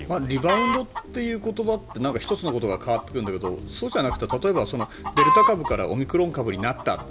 リバウンドっていう言葉って、１つのことが変わってくるんだけどそうじゃなくて例えばデルタ株からオミクロン株になった。